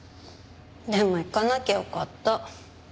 でも行かなきゃよかった。